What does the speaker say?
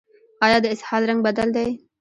ایا د اسهال رنګ بدل دی؟